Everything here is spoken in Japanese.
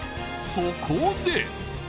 そこで。